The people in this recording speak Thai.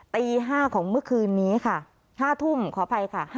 ตี๕ของเมื่อคืนนี้ค่ะ๕ทุ่มขออภัยค่ะ